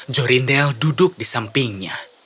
jorindel duduk di sampingnya